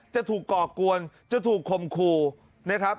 จะถูกก่อกวนจะถูกคมคู่นะครับ